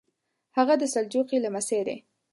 هغه د سلجوقي لمسی دی.